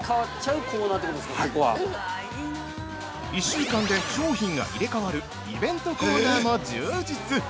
◆１週間で商品が入れ替わるイベントコーナーも充実！